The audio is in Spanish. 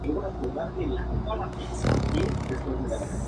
En los siguientes diez años, la institución recibió a más de dos mil niños.